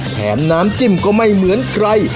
แถมน้ำจิ้มก็ไม่เหมือนใคร